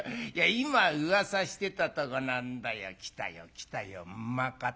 今うわさしてたとこなんだよ。来たよ来たよ馬方が。